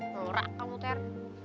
ngorak kamu ter